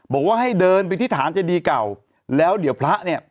บอกว่าให้เดินไปที่ฐานเจดีเก่าแล้วเดี๋ยวพระเนี่ย